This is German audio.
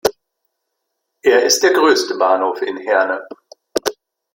Er ist der größte Bahnhof in Herne.